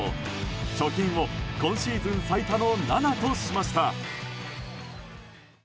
貯金を今シーズン最多の７としました。